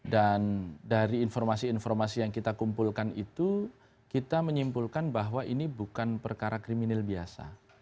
dan dari informasi informasi yang kita kumpulkan itu kita menyimpulkan bahwa ini bukan perkara kriminal biasa